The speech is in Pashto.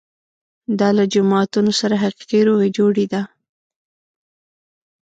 دا له جماعتونو سره حقیقي روغې جوړې ده.